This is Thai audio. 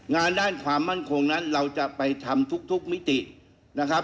งานด้านความมั่นคงนั้นเราจะไปทำทุกมิตินะครับ